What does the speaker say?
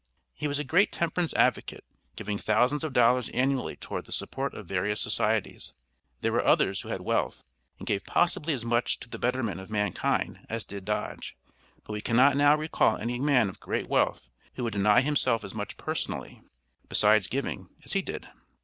He was a great temperance advocate, giving thousands of dollars annually toward the support of various societies. There were others who had wealth, and gave possibly as much to the betterment of mankind as did Dodge, but we cannot now recall any man of great wealth who would deny himself as much personally, beside giving, as he did.